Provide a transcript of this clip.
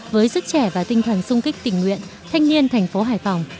với sức trẻ và tinh thần sung kích tình nguyện thanh niên tp hải phòng